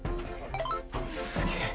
すげえ。